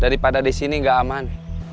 daripada disini gak aman